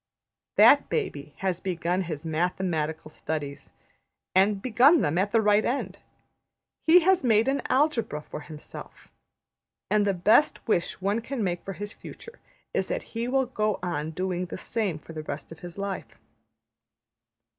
That baby has begun his mathematical studies; and begun them at the right end. He has made an Algebra for himself. And the best wish one can make for his future is that he will go on doing the same for the rest of his life.